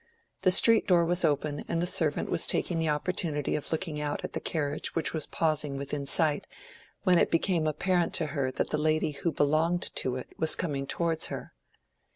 The street door was open, and the servant was taking the opportunity of looking out at the carriage which was pausing within sight when it became apparent to her that the lady who "belonged to it" was coming towards her.